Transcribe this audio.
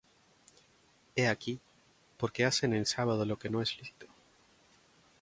He aquí, ¿por qué hacen en sábado lo que no es lícito?